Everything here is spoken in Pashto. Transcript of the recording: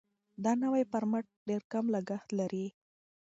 دا نوی فارمټ ډېر کم لګښت لري.